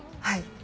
はい。